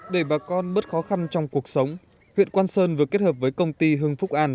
để bà con bớt khó khăn trong cuộc sống huyện quang sơn vừa kết hợp với công ty hưng phúc an